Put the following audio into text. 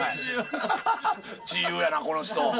自由やな、この人。